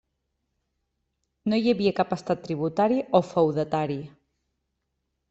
No hi havia cap estat tributari o feudatari.